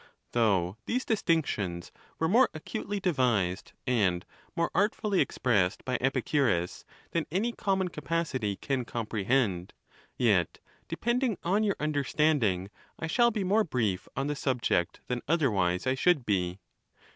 Though these distinctions were more acutely de vised and more artfully expressed by Epicurus than any common capacity can comprehend; yet, depending on your understanding, I shall be more brief on the subject than otherwise I should be.